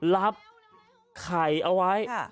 รับไข่เอาไว้